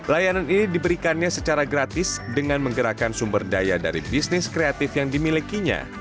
layanan ini diberikannya secara gratis dengan menggerakkan sumber daya dari bisnis kreatif yang dimilikinya